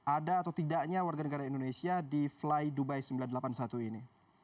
ada atau tidaknya warga negara indonesia di fly dubai sembilan ratus delapan puluh satu ini